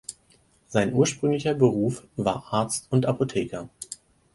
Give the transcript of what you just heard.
Sein ursprünglicher Beruf war Arzt und Apotheker.